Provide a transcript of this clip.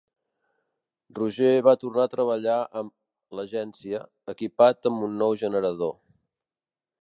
Roger va tornar a treballar amb l'Agència, equipat amb un nou generador.